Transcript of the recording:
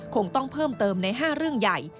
คงต้องเพิ่มเติมใน๕เรื่องใหญ่